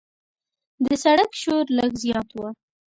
د سړک شور لږ زیات و.